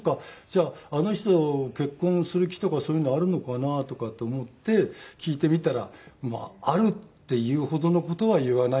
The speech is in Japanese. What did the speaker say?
じゃああの人結婚する気とかそういうのあるのかな？とかって思って聞いてみたらあるっていうほどの事は言わないんですよね。